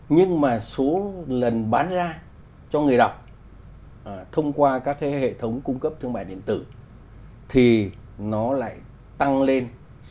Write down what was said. nhưng mà số lần bán ra cho người đọc thông qua các hệ thống cung cấp thương mại điện tử thì nó lại tăng lên